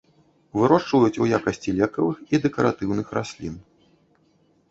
Вырошчваюць ў якасці лекавых і дэкаратыўных раслін.